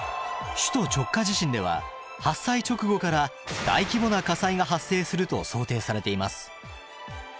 首都直下地震では発災直後から大規模な火災が発生すると想定されています。